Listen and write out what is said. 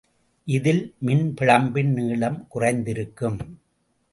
இதில் மின்பிழம்பின் நீளம் குறைந்திருக்கும்.